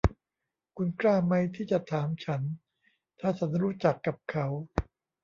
คุณกล้ามั้ยที่จะถามฉันถ้าฉันรู้จักกับเขา